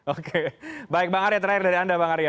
oke baik bang arya terakhir dari anda